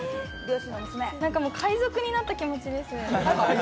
なんかもう、海賊になった気持ちです。